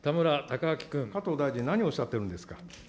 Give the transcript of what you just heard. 加藤大臣、何をおっしゃってるんですか。